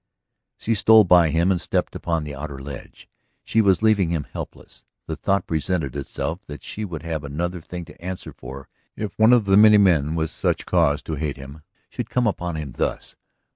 She stole by him and stepped upon the outer ledge. She was leaving him helpless ... the thought presented itself that she would have another thing to answer for if one of the many men with such cause to hate him should come upon him thus.